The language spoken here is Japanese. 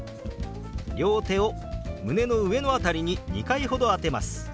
両手を胸の上の辺りに２回ほど当てます。